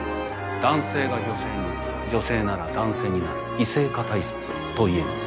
男性が女性に女性なら男性になる異性化体質といえます。